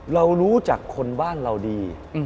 เรารู้จักคนบ้านเราดี